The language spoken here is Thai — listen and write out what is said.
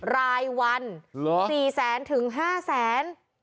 รายวัน๔๕แสน